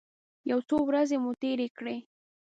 یو څو ورځې مو تېرې کړې.